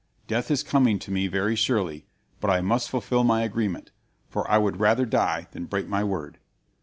Death is coming to me very surely, but I must fulfil my agreement, for I would rather die than break my word."